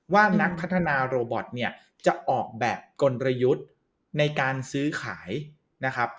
ว่านักพัฒนาโรบอตเนี่ยจะออกแบบกลยุทธ์ในการซื้อขายนะครับ